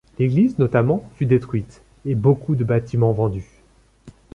L'église, notamment, fut détruite, et beaucoup de bâtiments vendus.